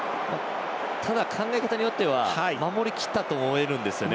ただ考え方によっては守りきったとも思えるんですね。